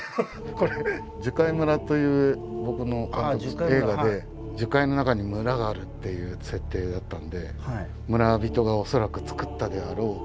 これ「樹海村」という僕の映画で樹海の中に村があるっていう設定だったんで村人が恐らく作ったであろう飾りが。